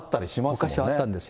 昔はあったんですよ。